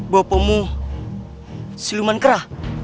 bopomu siluman kera